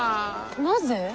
なぜ？